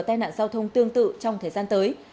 tai nạn giao thông tương tự trong thời gian tới